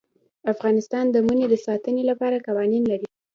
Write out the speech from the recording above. افغانستان د منی د ساتنې لپاره قوانین لري.